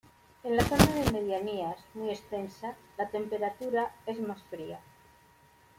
En la zona de medianías, muy extensa, la temperatura es más fría.